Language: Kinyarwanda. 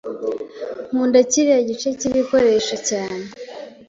Nkunda kiriya gice cyibikoresho cyane.